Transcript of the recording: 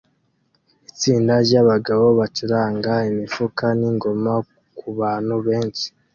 Itsinda ryabagabo bacuranga imifuka ningoma kubantu benshi